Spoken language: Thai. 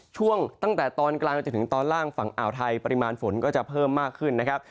ช่วงตั้งแต่ตอนกลางจนถึงตอนล่างฝั่งอ่าวไทยปริมาณฝนก็จะเพิ่มมากขึ้นนะครับ